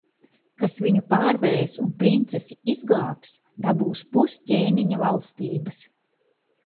Kas viņu pārvarēs un princesi izglābs, dabūs pus ķēniņa valstības.